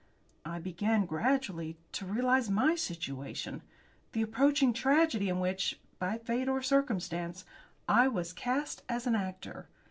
I began gradually to realise my situation the approaching tragedy in which, by fate or circumstance, I was cast as an actor.